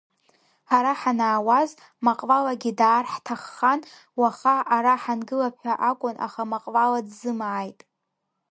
Ҳара ҳанаауаз, Маҟвалагьы даар ҳҭаххан, уаха ара ҳангылап ҳәа акәын, аха Маҟвала дзымааит.